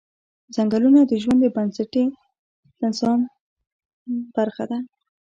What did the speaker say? ځنګلونه د ژوند د بنسټي نظام برخه ده